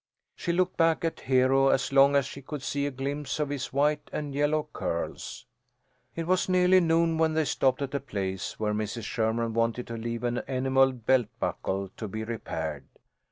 She looked back at Hero as long as she could see a glimpse of his white and yellow curls. It was nearly noon when they stopped at a place where Mrs. Sherman wanted to leave an enamelled belt buckle to be repaired.